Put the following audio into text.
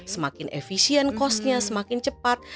semakin efisien costnya semakin cepat